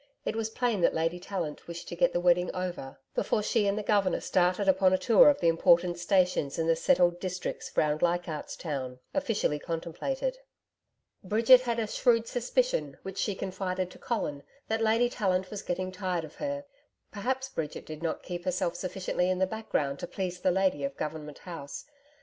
It was plain that Lady Tallant wished to get the wedding over before she and the Governor started upon a tour of the important stations in the settled districts round Leichardt's Town, officially contemplated. Bridget had a shrewd suspicion, which she confided to Colin, that Lady Tallant was getting tired of her. Perhaps Bridget did not keep herself sufficiently in the background to please the lady of Government House.